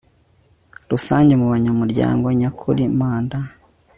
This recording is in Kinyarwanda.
rusange mu banyamurango nyakuri manda